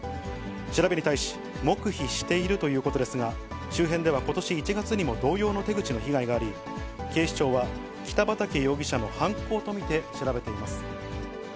調べに対し、黙秘しているということですが、周辺ではことし１月にも同様の手口の被害があり、警視庁は北畠容疑者の犯行と見て調べています。